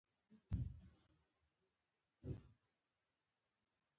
مصنوعي ځیرکتیا د معلوماتي پوهاوي ملاتړ کوي.